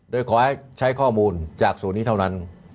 โดยขอให้ใช้ข้อมูลจากศูนย์นี้เท่านั้น